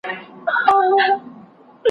دوه جمع څلور؛ شپږ کېږي.